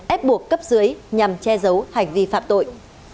ép buộc cấp dưới nhằm che giấu hành vi phạm tội